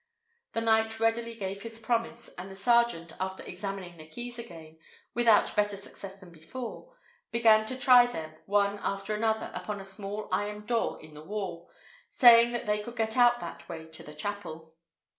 The knight readily gave his promise, and the sergeant, after examining the keys again, without better success than before, began to try them, one after another, upon a small iron door in the wall, saying that they could get out that way to the chapel.